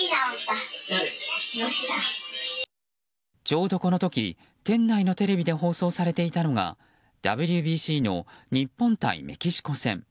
ちょうど、この時、店内のテレビで放送されていたのがＷＢＣの日本対メキシコ戦。